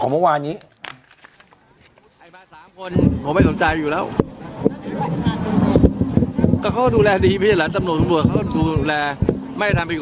อ๋อของเมื่อวานนี้